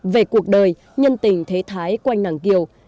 về cuộc đời nhân tình thế thái quanh nàng kiều